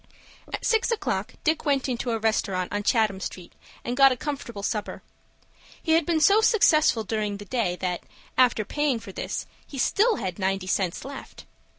At six o'clock Dick went into a restaurant on Chatham Street, and got a comfortable supper. He had been so successful during the day that, after paying for this, he still had ninety cents left.